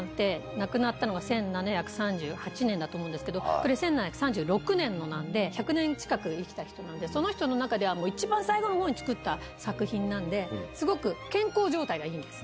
亡くなったの１７３８年だと思うんですけどこれ１７３６年のなんで１００年近く生きた人なんでその人の中では一番最後の方に作った作品なんですごく健康状態がいいんです。